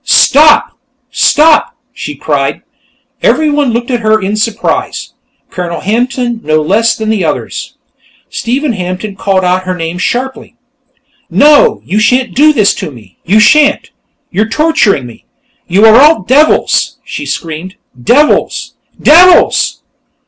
Stop! Stop!" she cried. Everybody looked at her in surprise, Colonel Hampton no less than the others. Stephen Hampton called out her name sharply. "No! You shan't do this to me! You shan't! You're torturing me! you are all devils!" she screamed. "Devils! _Devils!